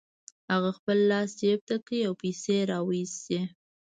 هغه خپل لاس جيب ته کړ او پيسې يې را و ايستې.